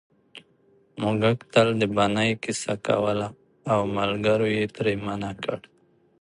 موږک تل د بنۍ کیسه کوله او ملګرو یې ترې منع کړ